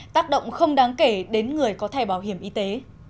tác động không đáng kể đến người có thẻ bảo hiểm y tế